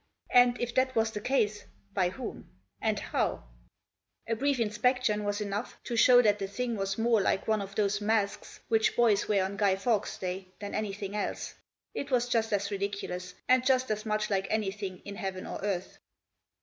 And, if that was the case, by whom ? and how ? A brief inspection was enough to show that the thing was more like one of those masks which boys wear on Guy Fawkes' day than anything else. It was just as ridiculous, and just as much like anything in heaven or earth.